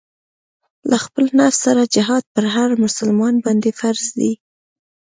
له خپل نفس سره جهاد پر هر مسلمان باندې فرض دی.